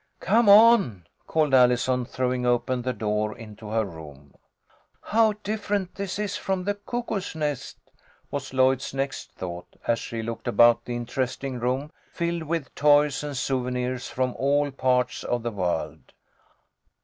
" Come on," called Allison, throwing open the door into her room. " How different this is from the Cuckoo's Nest," was Lloyd's next thought, as she looked about the interesting room, filled with toys and souvenirs from all parts of the world.